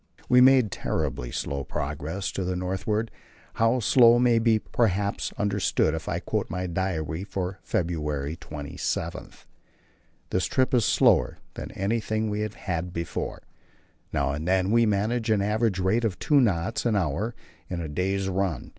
We made terribly slow progress to the northward, how slow may perhaps be understood if I quote my diary for February 27: "This trip is slower than anything we have had before; now and then we manage an average rate of two knots an hour in a day's run.